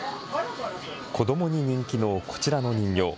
子どもに人気のこちらの人形。